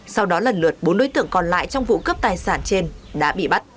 sau đó lần lượt bốn đối tượng còn lại trong vụ cướp tài sản trên đã bị bắt